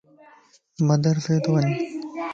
مدرسيت وڃ